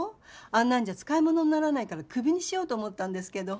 あんなんじゃ使いものにならないからクビにしようと思ったんですけど。